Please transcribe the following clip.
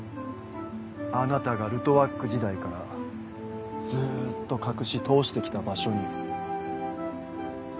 あなたがルトワック時代からずっと隠し通して来た場所に。